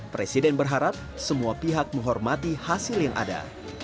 presiden berharap semua pihak menghormati hasil yang ada